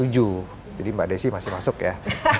jadi mbak desi masih masuk ya